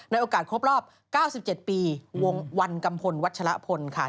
โอกาสครบรอบ๙๗ปีวงวันกัมพลวัชละพลค่ะ